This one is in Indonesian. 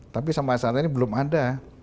tapi sampai saat ini belum ada